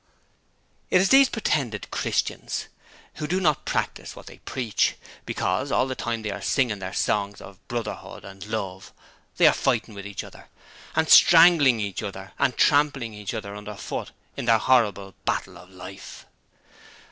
'It is these pretended Christians who do not practise what they preach, because, all the time they are singing their songs of Brotherhood and Love, they are fighting with each other, and strangling each other and trampling each other underfoot in their horrible "Battle of Life"!